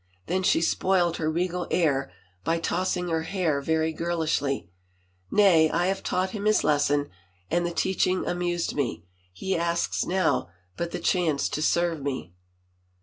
Then she spoiled her regal air by tossing her head very girlishly. " Nay, I have taught him his lesson and the teaching amused me — he asks now but the chance to serve me."